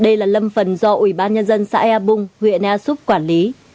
đây là lâm phần do ủy ban nhà dân xã e bung huyện e xúc quản lý